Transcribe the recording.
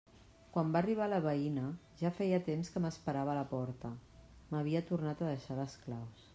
Quan va arribar la veïna, ja feia temps que m'esperava a la porta: m'havia tornat a deixar les claus.